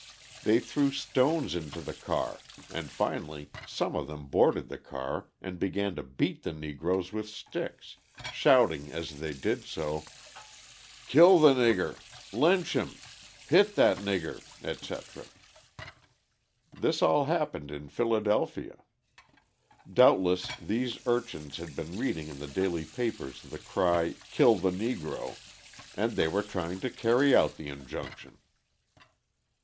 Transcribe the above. They threw stones into the car, and finally some of them boarded the car and began to beat the Negroes with sticks, shouting as they did so, 'Kill the nigger!' 'Lynch 'em!' 'Hit that nigger!' etc. This all happened in Philadelphia. Doubtless these urchins had been reading in the daily papers the cry 'Kill the Negro!' and they were trying to carry out the injunction."